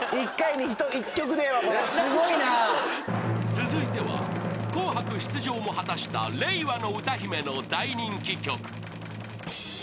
［続いては『紅白』出場も果たした令和の歌姫の大人気曲］